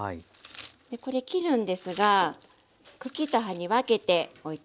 これ切るんですが茎と葉に分けて置いておきますね。